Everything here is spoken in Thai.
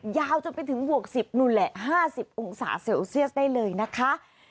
ยาวจนไปถึงหกสิบนู่นแหละห้าสิบองค์สาเซลเซียสได้เลยนะคะ